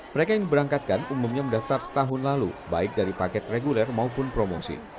mereka yang diberangkatkan umumnya mendaftar tahun lalu baik dari paket reguler maupun promosi